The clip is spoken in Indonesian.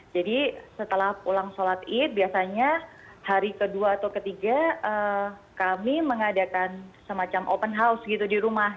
jadi setelah pulang sholat eid biasanya hari ke dua atau ke tiga kami mengadakan semacam open house gitu di rumah